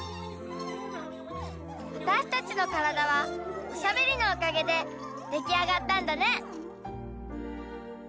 わたしたちのカラダはおしゃべりのおかげでできあがったんだね！